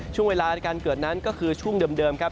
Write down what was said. ช่วงเวลาในการเกิดนั้นก็คือช่วงเดิมครับ